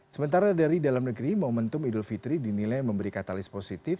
sementara dari dalam negeri momentum idul fitri dinilai memberi katalis positif